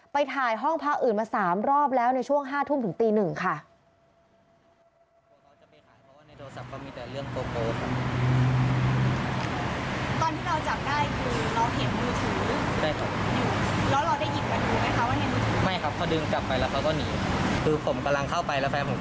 ไปถ่ายห้องพักอื่นมา๓รอบแล้วในช่วง๕ทุ่มถึงตี๑ค่ะ